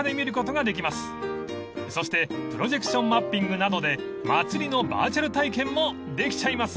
［そしてプロジェクションマッピングなどで祭りのバーチャル体験もできちゃいます］